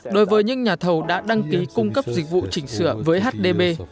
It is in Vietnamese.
đối với những nhà thầu đã đăng ký cung cấp dịch vụ chỉnh sửa với hdb